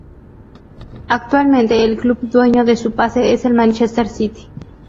Actualmente el club dueño de su pase es el Manchester City.